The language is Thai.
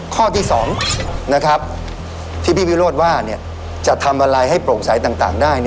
ข้อที่สองนะครับที่พี่รอดว่าจะทำอะไรให้โปร่งใสต่างต่างได้